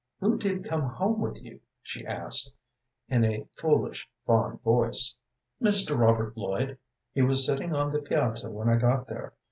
"Who did come home with you?" she asked, in a foolish, fond voice. "Mr. Robert Lloyd. He was sitting on the piazza when I got there.